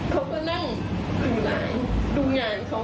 เขาก็นั่งดูลายของเขา